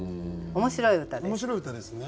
面白い歌ですね。